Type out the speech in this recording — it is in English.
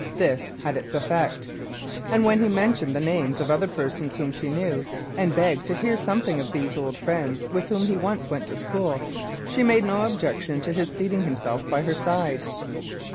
This had its effect; and when he mentioned the names of other persons whom she knew, and begged to hear something of these old friends with whom he once went to school, she made no objection to his seating himself by her side.